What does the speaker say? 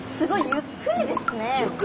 ゆっくりですね。